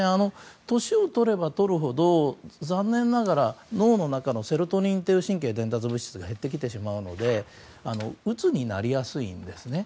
年をとればとるほど残念ながら脳の中のセロトニンという神経伝達物質が減ってきてしまうのでうつになりやすいんですね。